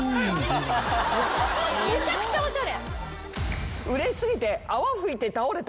めちゃくちゃおしゃれ。